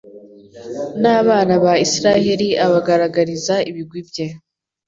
n’abana ba Israheli abagaragariza ibigwi bye